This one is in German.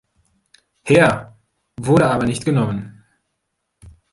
Heer, wurde aber nicht genommen.